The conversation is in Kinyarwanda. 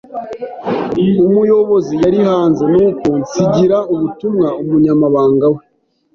Umuyobozi yari hanze, nuko nsigira ubutumwa umunyamabanga we.